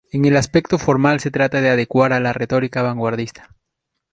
En el aspecto formal se trata de adecuar a la retórica vanguardista.